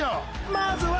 まずは。